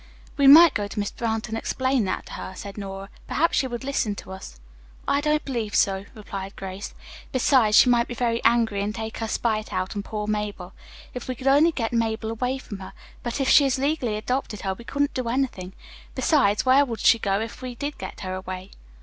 "We might go to Miss Brant and explain that to her," said Nora. "Perhaps she would listen to us." "I don't believe so," replied Grace. "Besides, she might be very angry and take her spite out on poor Mabel. If we could only get Mabel away from her. But if she has legally adopted her we couldn't do anything. Besides, where would she go if we did get her away?"